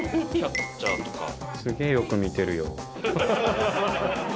すげーよく見てるよ。